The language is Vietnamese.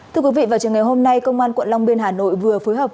thưa quý vị vào trường ngày hôm nay công an quận long biên hà nội vừa phối hợp